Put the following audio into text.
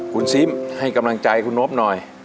คุณซิมให้กำลังใจคุณนบหน่อย